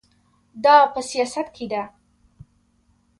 دا په سیاست کې ده.